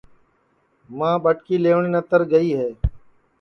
ماں ٻٹکی لیوٹؔیں نتر گئی ہے